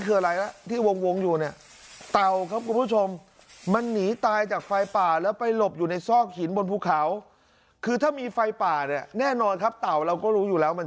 คือถ้ามีไฟป่าเนี่ยแน่นอนครับเต่าเราก็รู้อยู่แล้วมัน